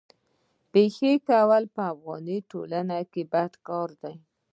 پېښې کول په افغاني ټولنه کي بد کار دی.